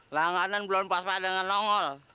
langanan belum pas pada dengan nongol